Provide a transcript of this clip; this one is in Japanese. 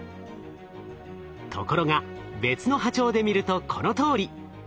ところが別の波長で見るとこのとおり。